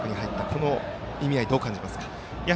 この意味合い、どう感じますか。